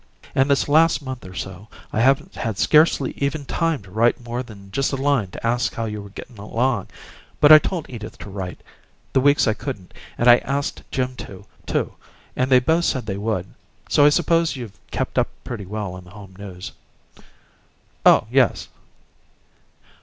And this last month or so I haven't had scarcely even time to write more than just a line to ask how you were gettin' along, but I told Edith to write, the weeks I couldn't, and I asked Jim to, too, and they both said they would, so I suppose you've kept up pretty well on the home news." "Oh yes."